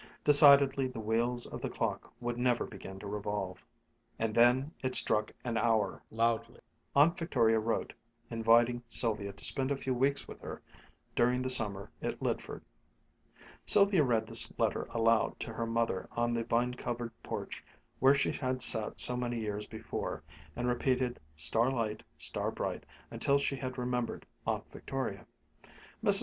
Decidedly the wheels of the clock would never begin to revolve. And then it struck an hour, loudly. Aunt Victoria wrote inviting Sylvia to spend a few weeks with her during the summer at Lydford. Sylvia read this letter aloud to her mother on the vine covered porch where she had sat so many years before, and repeated "star light, star bright" until she had remembered Aunt Victoria. Mrs.